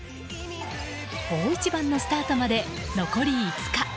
大一番のスタートまで残り５日。